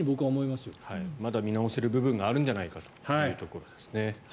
まだ見直せる部分があるんじゃないかというところですね。